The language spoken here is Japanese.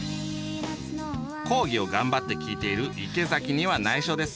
講義を頑張って聴いている池崎にはないしょです。